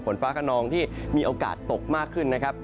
ฝนฟ้าขนองที่มีโอกาสตกมากขึ้นนะครับ